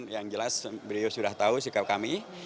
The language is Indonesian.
yang jelas beliau sudah tahu sikap kami